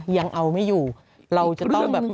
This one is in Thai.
ยังเอาไม่อยู่เราจะต้องกาดไม่ตก